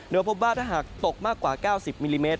โดยพบว่าถ้าหากตกมากกว่า๙๐มิลลิเมตร